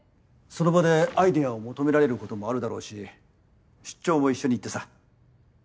その場でアイデアを求められることもあるだろうし出張も一緒に行ってさ。